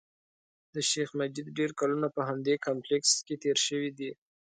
د شیخ مجید ډېر کلونه په همدې کمپلېکس کې تېر شوي دي.